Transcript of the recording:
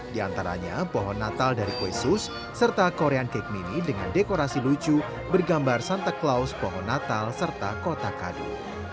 di antaranya pohon natal dari kue sus serta korean cake mini dengan dekorasi lucu bergambar santa claus pohon natal serta kotak kadu